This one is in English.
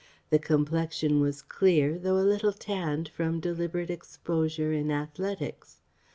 The complexion was clear though a little tanned from deliberate exposure in athletics.